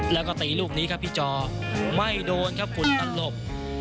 แล้วก็ตีลูกนี้ครับพี่จอไม่โดนครับฝุ่นตลบ